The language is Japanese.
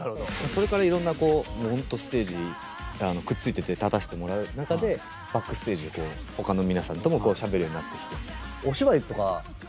それからいろんなこう本当ステージくっついていって立たせてもらう中でバックステージで他の皆さんともしゃべるようになってきて。